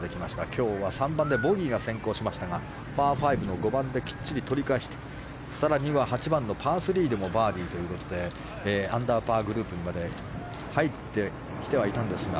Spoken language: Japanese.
今日は３番でボギーが先行しましたがパー５の５番できっちり取り返して更には８番、パー３でもバーディーということでアンダーパーグループにまで入ってきてはいたんですが。